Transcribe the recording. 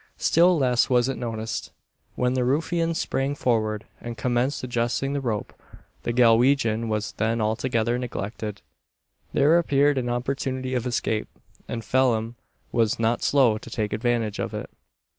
Still less was it noticed, when the ruffians sprang forward, and commenced adjusting the rope. The Galwegian was then altogether neglected. There appeared an opportunity of escape, and Phelim was not slow to take advantage of it.